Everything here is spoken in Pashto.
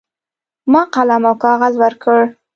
ما قلم او کاغذ ورکړ.